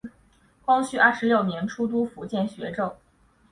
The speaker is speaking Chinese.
光绪二十六年出督福建学政。